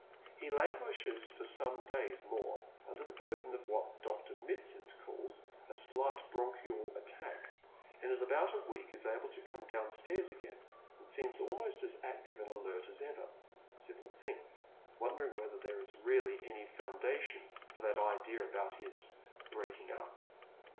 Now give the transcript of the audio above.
He languishes for some days more und^ the burden of what Dr. Mitsand calls a slight bronchial attack, and in about a week is able to come downstairs again, and seems almost as active and alert as ever, Sibyl thinks, wondering whether there is really any foundation for that idea about his " breaking up."